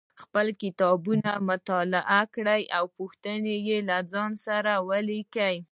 خپل کتابونه مطالعه کړئ او پوښتنې له ځان سره ولیکئ